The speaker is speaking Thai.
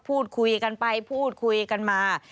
พูดคุยกันไปพูดคุยกันมา